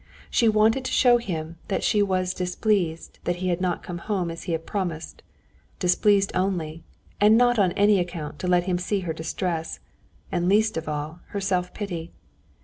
She wanted to show him that she was displeased that he had not come home as he had promised—displeased only, and not on any account to let him see her distress, and least of all, her self pity.